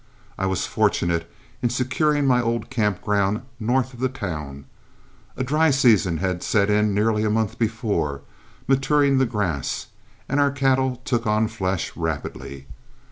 I was fortunate in securing my old camp ground north of the town; a dry season had set in nearly a month before, maturing the grass, and our cattle took on flesh rapidly.